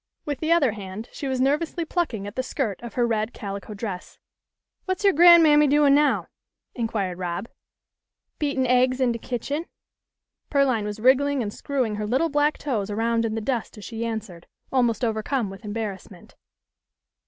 With the other hand she was nervously plucking at the skirt of her red calico dress. " What's your gran'mammy doing now ?" inquired Rob. " Beatin' aigs in de kitchen." Pearline was wriggling and screwing her little black toes around in the dust as she answered, almost overcome with embarrassment.